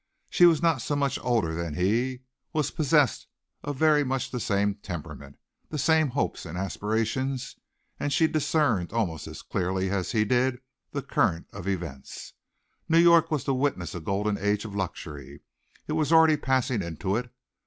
She was not so much older than he, was possessed of very much the same temperament, the same hopes and aspirations, and she discerned almost as clearly as he did the current of events. New York was to witness a golden age of luxury. It was already passing into it.